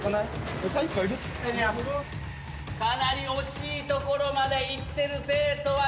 かなり惜しいところまで行ってる生徒はいます。